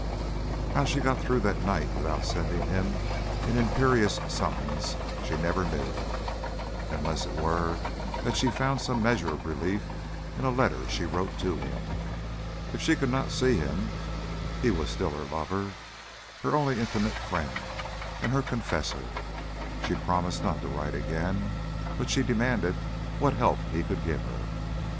How she got through that night without sending him an imperious summons she never knew, unless it were that she found some measure of relief in a letter she wrote to him. If she could not see him, he was still her lover, her only intimate friend, and her confessor. She promised not to write again, but she demanded what help he could give her.